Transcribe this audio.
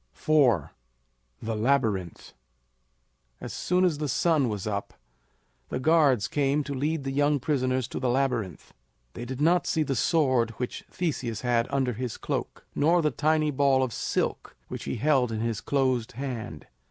IV. THE LABYRINTH. As soon as the sun was up the guards came to lead the young prisoners to the Labyrinth. They did not see the sword which Theseus had under his cloak, nor the tiny ball of silk which he held in his closed hand.